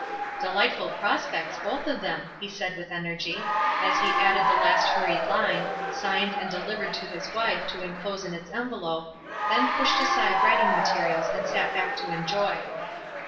"Delightful prospects, both of them," he said with energy, as he added the last hurried line, signed and delivered to his wife to enclose in its envelope, then pushed aside writing materials and sat back to enjoy.